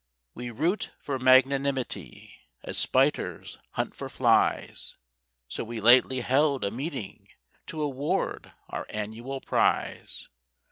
We root for magnanimity as spiders hunt for flies, So we lately held a meeting to award our annual prize.